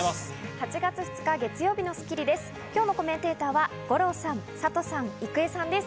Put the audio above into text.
８月２日、月曜日の『スッキリ』です。